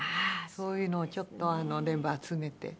そういうのをちょっと全部集めて。